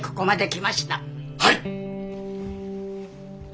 はい。